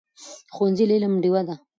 ښوونځی د علم ډېوه ده.